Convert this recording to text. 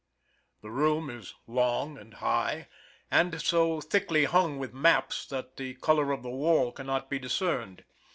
The room is long and high, and so thickly hung with maps that the color of the wall cannot be discerned.